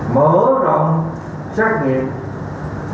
mở rộng xác nghiệp